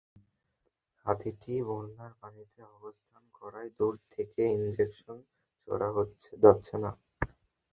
হাতিটি বন্যার পানিতে অবস্থান করায় দূর থেকে ইনজেকশন ছোড়া যাচ্ছে না।